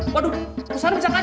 waduh kesana bisa kacau nih